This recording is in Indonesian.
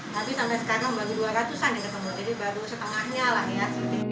tapi sampai sekarang baru dua ratus an yang ketemu jadi baru setengahnya lah ya